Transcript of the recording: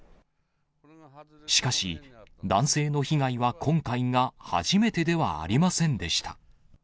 しかし、男性の被害は今回が初めてではありませんでした。